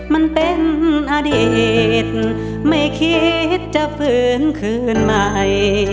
มันเป็นอดีตไม่คิดจะฝืนคืนใหม่